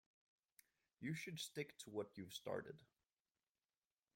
You should stick to what you’ve started.